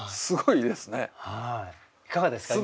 いかがですか。